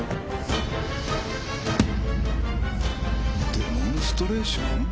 「デモンストレーション」？